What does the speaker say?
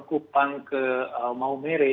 kupang ke maumere